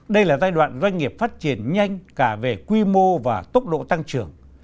đây là giai đoạn doanh nghiệp phát triển nhanh cả về quy mô và tốc độ tăng trưởng